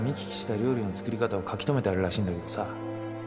料理の作り方を書き留めてあるらしいんだけどさ